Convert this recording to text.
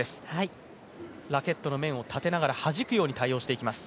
ラケットの面を立てながらはじくように対応していきます。